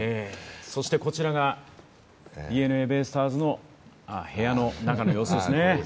そしてこちらがＤｅＮＡベイスターズの部屋の中の様子ですね。